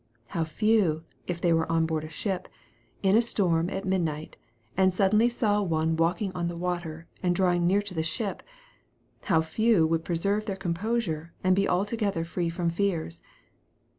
How few, if they were on board a ship, in a storm at midnight, and suddenly saw one walking on the water, and drawing near to the ship how few would preserve their composure, and be altogether free fron> fears